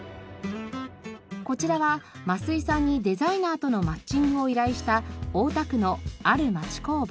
こちらは増井さんにデザイナーとのマッチングを依頼した大田区のある町工場。